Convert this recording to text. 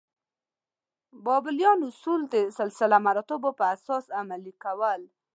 بابلیان اصول د سلسله مراتبو پر اساس عملي کول.